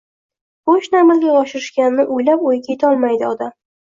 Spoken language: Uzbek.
Bu ishni amalga oshirishganini oʻylab oʻyiga yetolmaydi odam.